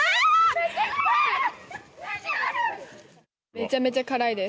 めちゃめちゃ辛いです。